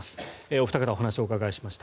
お二方にお話をお伺いしました。